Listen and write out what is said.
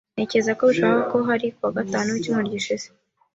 Ntekereza ko bishoboka ko hari kuwagatanu wicyumweru gishize.